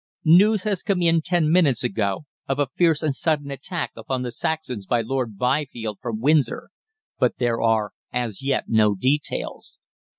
"News has come in ten minutes ago of a fierce and sudden attack upon the Saxons by Lord Byfield from Windsor, but there are, as yet, no details.